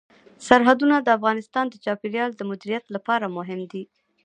سرحدونه د افغانستان د چاپیریال د مدیریت لپاره مهم دي.